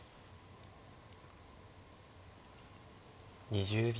２０秒。